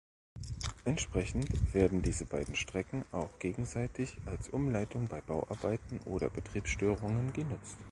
Entsprechend werden diese beide Strecken auch gegenseitig als Umleitung bei Bauarbeiten oder Betriebsstörungen genutzt.